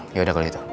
ya udah kalau itu